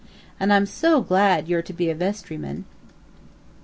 And I'm so glad you're to be a vestryman."